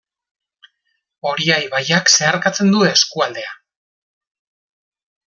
Oria ibaiak zeharkatzen du eskualdea.